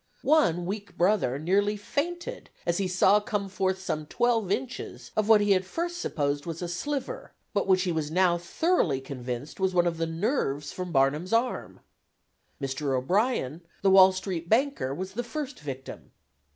One 'weak brother' nearly fainted as he saw come forth some twelve inches of what he at first supposed was a 'sliver,' but which he was now thoroughly convinced was one of the nerves from Barnum's arm. Mr. O'Brien, the Wall Street banker, was the first victim.